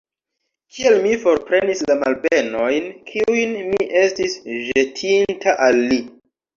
Kiel mi forprenis la malbenojn, kiujn mi estis ĵetinta al li!